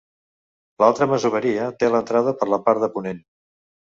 L'altra masoveria té l'entrada per la part de ponent.